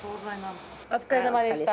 お疲れさまでした。